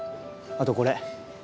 あとこれ。